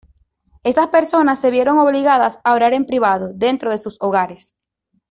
Esas personas se vieron obligadas a orar en privado, dentro de sus hogares.